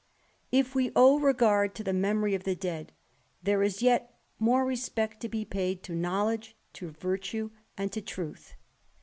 If we owe r^ard to the memory of the dead, there is yet more respect to be paid to knowledge, to virtue, and to truth.